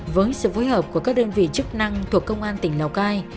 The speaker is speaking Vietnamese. với sự phối hợp của các đơn vị chức năng thuộc công an tỉnh lào cai